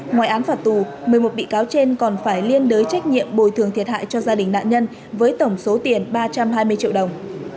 ngoài án phạt tù một mươi một bị cáo trên còn phải liên đối trách nhiệm bồi thường thiệt hại cho gia đình nạn nhân với tổng số tiền ba trăm hai mươi triệu đồng